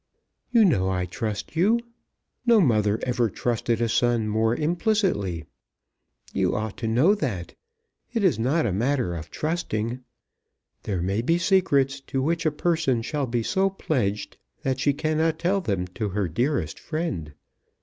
"You know I trust you. No mother ever trusted a son more implicitly. You ought to know that. It is not a matter of trusting. There may be secrets to which a person shall be so pledged that she cannot tell them to her dearest friend.